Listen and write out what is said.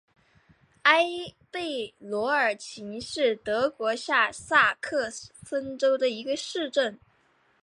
埃贝罗尔岑是德国下萨克森州的一个市镇。